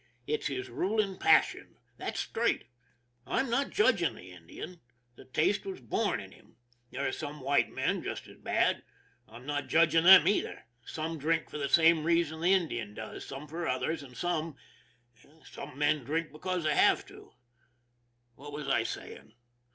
It's his ruling passion. That's straight. I'm not judging the Indian ; the taste was born in him. There are some white men just as bad. I'm not judg ing them, either. Some drink for the same reason the Indian does, some for others, and some some men drink because they have to. What was I saying?